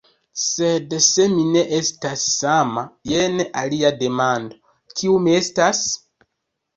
Sed se mi ne estas sama, jen alia demando; kiu mi estas?